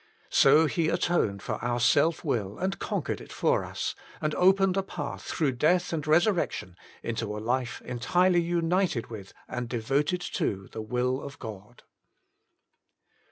So He atoned for our self will and conqueredjt for us, and opened a path through death and resur ^i^A^^ection, into a life entirely united with, and de voted to, the will of God.